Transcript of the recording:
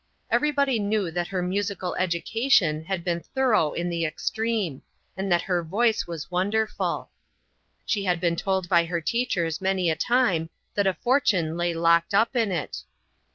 Everybody knew that her musical education had been thorough in the extreme, and that her voice was wonderful. She had been told by her teachers many a time that a fortune lay locked up in it.